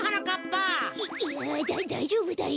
いやだだいじょうぶだよ。